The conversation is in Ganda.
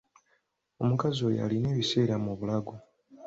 Omukazi oyo alina ebiseera mu bulago.